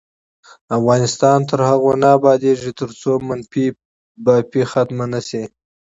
افغانستان تر هغو نه ابادیږي، ترڅو منفي بافي ختمه نشي.